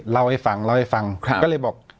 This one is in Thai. เล่าให้ฟังก็เลยบอก